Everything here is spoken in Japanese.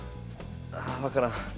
ああ分からん。